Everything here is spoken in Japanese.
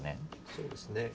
そうですね。